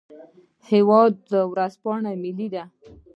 هیواد ورځپاڼه ملي ده